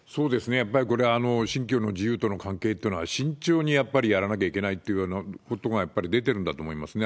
やっぱりこれは信教の自由との関係っていうのは、慎重にやっぱりやらなきゃいけないというようなことが、やっぱり出てるんだと思いますね。